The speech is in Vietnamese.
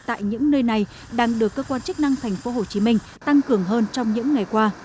tại những nơi này đang được cơ quan chức năng thành phố hồ chí minh tăng cường hơn trong những ngày qua